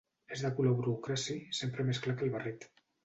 És de color bru ocraci, sempre més clar que el barret.